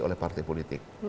oleh partai politik